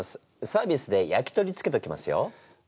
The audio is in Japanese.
サービスで焼き鳥つけときますよ。